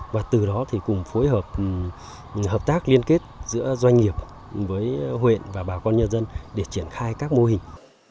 và từ đó thì cùng phối hợp hợp tác liên kết giữa doanh nghiệp với huyện và bà con nhân dân để triển khai các mô hình